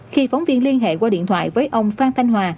khi phóng viên liên hệ qua điện thoại với ông phan thanh hòa